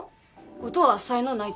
音は才能ないと？